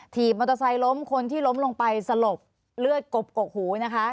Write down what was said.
ถีบมอเตอร์ไซค์ล้มคนที่ล้มลงไปสลบเลือดกบกหูนะคะ